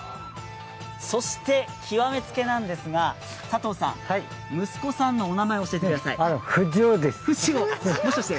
そして極めつけなんですが、息子さんのお名前を教えてください。